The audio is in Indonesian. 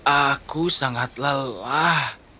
aku sangat lelah